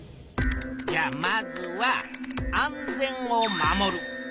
じゃあまずは「安全を守る」。